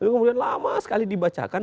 kemudian lama sekali dibacakan